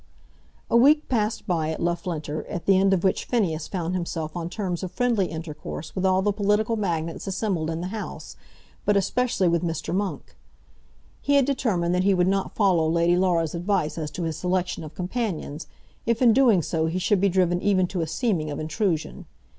A week passed by at Loughlinter, at the end of which Phineas found himself on terms of friendly intercourse with all the political magnates assembled in the house, but especially with Mr. Monk. He had determined that he would not follow Lady Laura's advice as to his selection of companions, if in doing so he should be driven even to a seeming of intrusion.